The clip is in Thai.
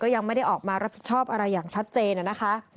ยังไม่ได้ออกมารับผิดชอบอะไรอย่างชัดเจนนะคะ